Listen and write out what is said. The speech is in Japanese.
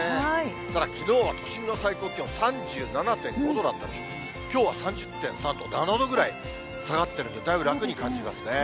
ただ、きのうは都心の最高気温３７．５度だったということで、きょうは３０．３度、７度ぐらい下がってるんで、だいぶ楽に感じますね。